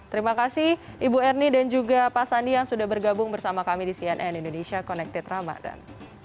terima kasih ibu ernie dan juga pak sandi yang sudah bergabung bersama kami di cnn indonesia connected ramadhan